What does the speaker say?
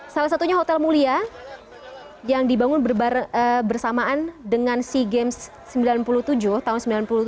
salah satunya hotel mulia yang dibangun bersamaan dengan sea games sembilan puluh tujuh tahun seribu sembilan ratus sembilan puluh tujuh